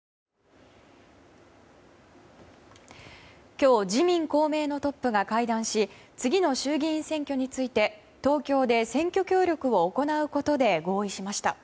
今日自民・公明のトップが会談し次の衆議院選挙について東京で選挙協力を行うことで合意しました。